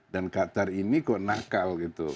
dan qatar ini kok nakal gitu